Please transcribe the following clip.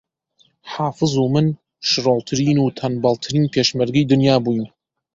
حافز و من شڕۆڵترین و تەنبەڵترین پێشمەرگەی دنیا بووین